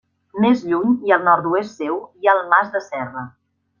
Més lluny i al nord-oest seu hi ha el Mas de Serra.